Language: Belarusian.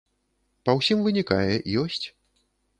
Па ўсім вынікае, ёсць.